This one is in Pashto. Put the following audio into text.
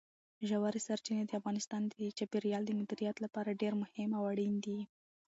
ژورې سرچینې د افغانستان د چاپیریال د مدیریت لپاره ډېر مهم او اړین دي.